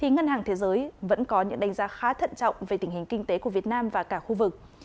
ngân hàng thế giới vẫn có những đánh giá khá thận trọng về tình hình kinh tế của việt nam và cả khu vực